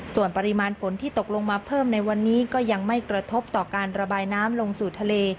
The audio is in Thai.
ส่วนปริมาณฝนที่ตกลงมาเพิ่มในวันนี้ก็ยังไม่กระทบต่อการระบายน้ำลงสู่ทะเล